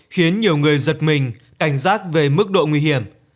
khiến nhiều người giật mình cảnh giác về mức độ nguy hiểm